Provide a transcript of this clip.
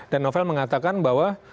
dan novel mengatakan bahwa